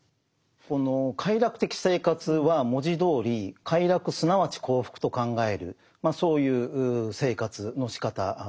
この快楽的生活は文字どおり快楽すなわち幸福と考えるそういう生活のしかたです。